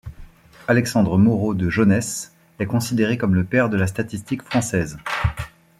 Alexandre Moreau de Jonnès est considéré comme le père de la statistique française.